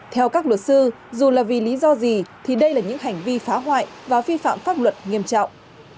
theo các luật sư dù là vì lý do gì thì đây là những hành vi phá hoại và vi phạm pháp luật nghiêm trọng